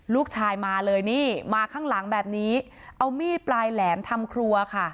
ลูกชายมาเลยนี่มาข้างหลังแบบนี้เอามีดปลายแหลมทำครัวค่ะ